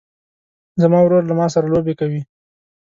زما ورور له ما سره لوبې کوي.